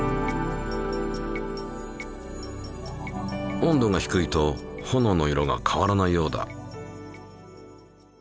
温度が低いと炎の色が変わらないようだ。